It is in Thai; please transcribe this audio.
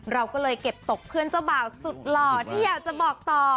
เราก็เลยเก็บตกเพื่อนเจ้าบ่าวสุดหล่อที่อยากจะบอกต่อ